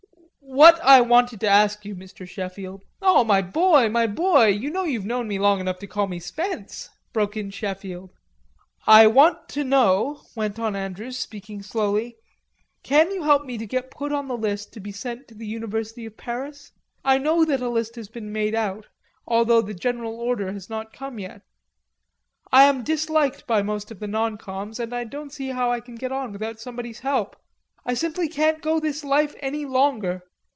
"What I wanted to ask you, Mr. Sheffield...." "Oh, my boy; my boy, you know you've known me long enough to call me Spence," broke in Sheffield. "I want to know," went on Andrews speaking slowly, "can you help me to get put on the list to be sent to the University of Paris?... I know that a list has been made out, although the General Order has not come yet. I am disliked by most of the noncoms and I don't see how I can get on without somebody's help...I simply can't go this life any longer."